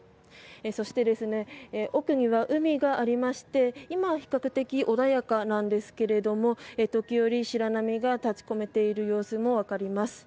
そして、奥には海がありまして今は比較的穏やかなんですが時折、白波が立ち込めている様子もわかります。